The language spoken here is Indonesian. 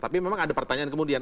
tapi memang ada pertanyaan kemudian